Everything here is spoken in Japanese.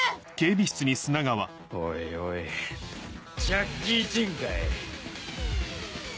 おいおいジャッキー・チェンかい。